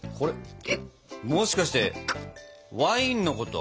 えっもしかしてワインのこと？